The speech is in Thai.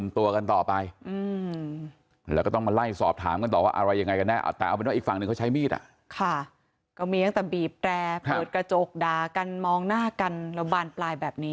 มีขีดต้องการด้วยกันทั้งหมดนะทุกคนนะ